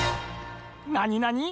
なになに？